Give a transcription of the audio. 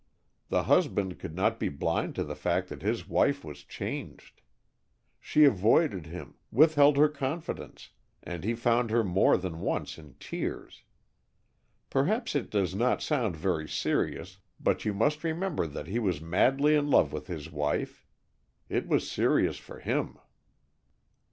The husband could not be blind to the fact that his wife was changed. She avoided him, withheld her confidence, and he found her more than once in tears. Perhaps it does not sound very serious, but you must remember that he was madly in love with his wife. It was serious for him."